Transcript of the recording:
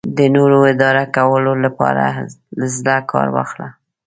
د نورو اداره کولو لپاره له زړه کار واخله.